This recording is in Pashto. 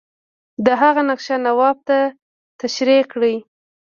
د هغه نقشه نواب ته تشریح کړي.